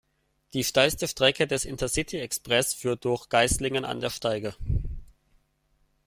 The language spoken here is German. Die steilste Strecke des Intercity-Expresses führt durch Geislingen an der Steige.